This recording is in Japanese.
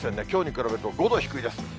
きょうに比べると５度低いです。